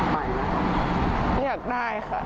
ไม่อยากได้ค่ะ